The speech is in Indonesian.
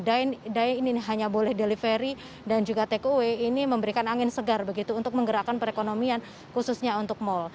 dae ini hanya boleh delivery dan juga take away ini memberikan angin segar begitu untuk menggerakkan perekonomian khususnya untuk mal